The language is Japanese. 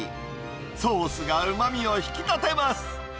ソースがうまみを引き立てます。